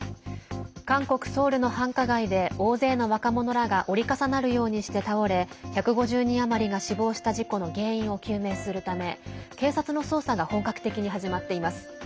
韓国ソウルの繁華街で大勢の若者らが折り重なるようにして倒れ１５０人余りが死亡した事故の原因を究明するため警察の捜査が本格的に始まっています。